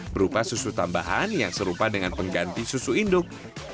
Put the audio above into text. berupa susu tambahan yang serupa dengan pengganti susu induk